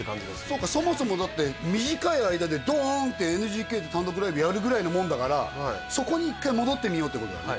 そっかそもそもだって短い間でドーンってＮＧＫで単独ライブやるぐらいのもんだからそこに１回戻ってみようってことだね